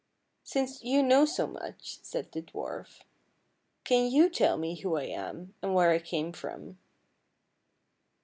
" Since you know so much," said the dwarf, " can you tell me who I am, and where I came from?"